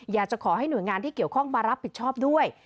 อยากจะขอให้หน่วยงานที่เกี่ยวข้องมารับผิดชอบด้วย